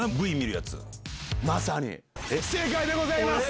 正解でございます！